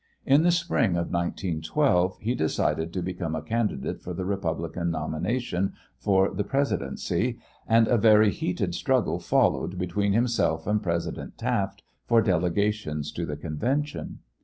In the spring of 1912 he decided to become a candidate for the Republican nomination for the residency and a very heated struggle followed between himself and President Taft for delegations to the convention.